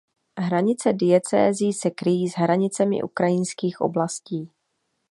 Hranice diecézí se kryjí s hranicemi ukrajinských oblastí.